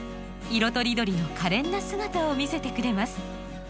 色とりどりのかれんな姿を見せてくれます。